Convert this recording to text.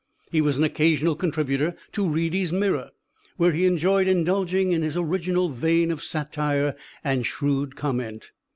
He was an occasional contributor to Reedy's Mirror, where he enjoyed indulging in his original vein of satire and shrewd comment.